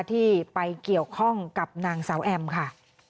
ที่ไปเกี่ยวข้องกับนางสาวแอมค่ะ